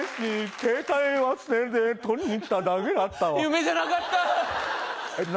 携帯忘れて取りに来ただけだったわ夢じゃなかったえっ何？